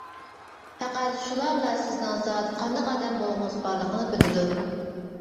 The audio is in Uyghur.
پەقەت شۇلارلا سىزنىڭ زادى قانداق ئادەم بولغۇڭىز بارلىقىنى بىلىدۇ.